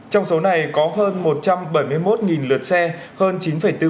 trong số này có hơn một trăm bảy mươi một lệnh xe ô tô